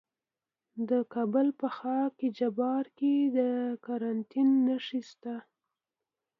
د کابل په خاک جبار کې د ګرانیټ نښې شته.